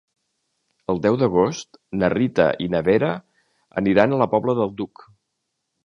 El deu d'agost na Rita i na Vera aniran a la Pobla del Duc.